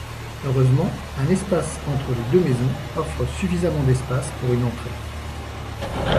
Heureusement, un espace entre les deux maisons offre suffisamment d'espace pour une entrée.